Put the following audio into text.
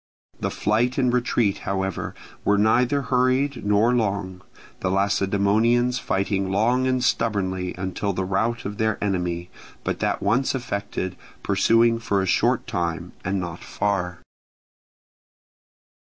The flight and retreat, however, were neither hurried nor long; the Lacedaemonians fighting long and stubbornly until the rout of their enemy, but that once effected, pursuing for a short time and not far.